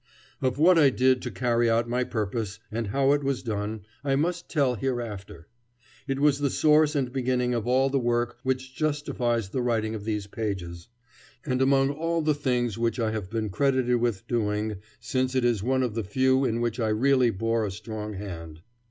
Of what I did to carry out my purpose, and how it was done, I must tell hereafter. It was the source and beginning of all the work which justifies the writing of these pages; and among all the things which I have been credited with doing since it is one of the few in which I really bore a strong hand.